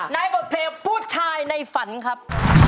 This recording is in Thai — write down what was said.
บทเพลงผู้ชายในฝันครับ